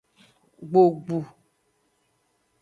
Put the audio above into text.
Gbogbu.